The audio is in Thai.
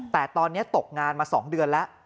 แต่ตอนนี้ตกงานมา๒เดือนแล้ว